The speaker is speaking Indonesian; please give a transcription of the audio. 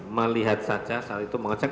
melihat saja saat itu mengecek